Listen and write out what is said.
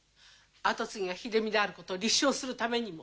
跡継ぎが秀美であることを立証するためにも。